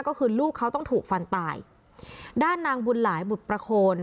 ก็คือลูกเขาต้องถูกฟันตายด้านนางบุญหลายบุตรประโคน